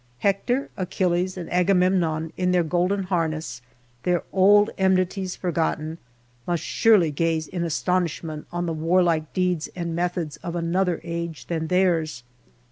Hector, Achilles, and Agamemnon in their golden harness their old enmities forgotten must surely gaze in astonishment on the warlike deeds and methods of another age than theirs.